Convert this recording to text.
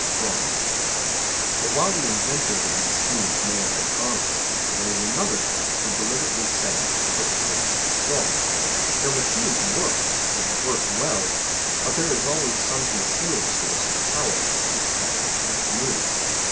3. FRAUDS But while the inventors of these schemes may have been honest, there is another class who deliberately set out to perpetrate a fraud. Their machines work, and work well, but there is always some concealed source of power, which causes them to move.